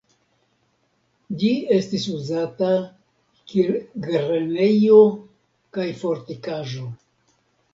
Ĝi estis uzata kiel grenejo kaj fortikaĵo.